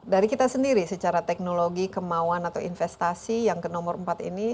dari kita sendiri secara teknologi kemauan atau investasi yang ke nomor empat ini